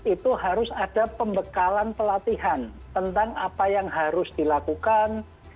itu harus ada pembekalan pelatihan tentang apa yang harus dilakukan